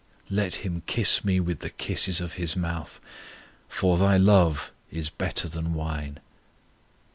Let Him kiss me with the kisses of His mouth: For Thy love is better than wine.